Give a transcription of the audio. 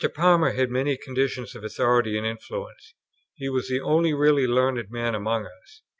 Palmer had many conditions of authority and influence. He was the only really learned man among us.